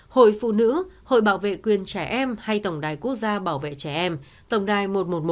hội phụ nữ hội bảo vệ quyền trẻ em hay tổng đài quốc gia bảo vệ trẻ em tổng đài một trăm một mươi một